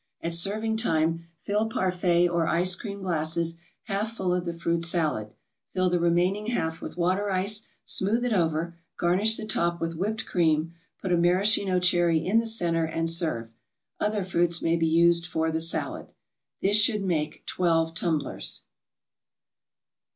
At serving time fill parfait or ice cream glasses half full of the fruit salad, fill the remaining half with water ice, smooth it over, garnish the top with whipped cream, put a maraschino cherry in the centre, and serve. Other fruits may be used for the salad. This should make twelve tumblers.